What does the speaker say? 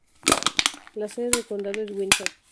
La sede del condado es Windsor.